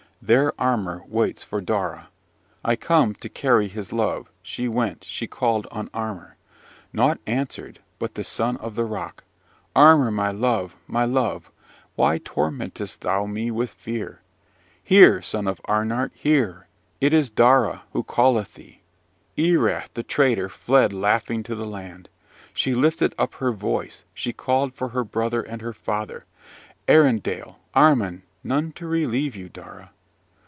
There Armar waits for Daura. I come to carry his love! she went she called on Armar. Nought answered, but the son of the rock. Armar, my love, my love! why tormentest thou me with fear? Hear, son of Arnart, hear! it is Daura who calleth thee. Erath, the traitor, fled laughing to the land. She lifted up her voice she called for her brother and her father. Arindal! Armin! none to relieve you, Daura.